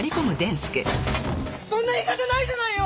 そんな言い方ないじゃないよ！